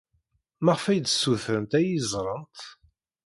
Maɣef ay d-ssutrent ad iyi-ẓrent?